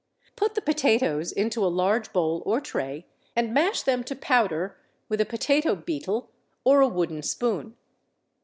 Put the potatoes into a large bowl or tray and mash them to powder with a potato beetle, or a wooden spoon.